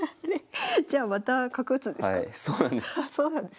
じゃあまた角打つんですか？